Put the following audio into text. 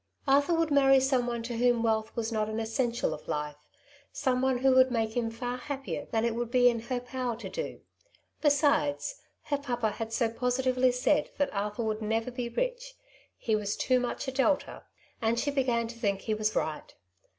'^ Arthur would marry some one to whom wealth was not an essential of life, some one who would make him far happier than it would be in her power to do. Besides, her papa had so positively said that Arthur would never be rich, he was too much a Delta ; and she began to think he was right.